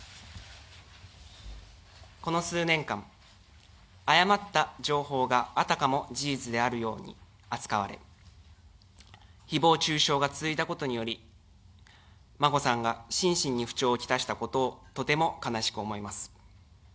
この数年間誤った情報があたかも事実であるように扱われ誹謗中傷が続いたことにより眞子さんが心身に不調をきたしたことをとても悲しく思います。